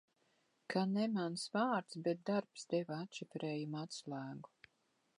Ka ne mans vārds, bet darbs deva atšifrējuma atslēgu.